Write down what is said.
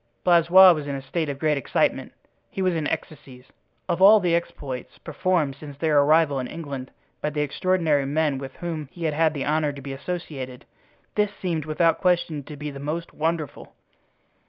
Blaisois was in a state of great excitement; he was in ecstasies. Of all the exploits performed since their arrival in England by the extraordinary men with whom he had the honor to be associated, this seemed without question to be the most wonderful.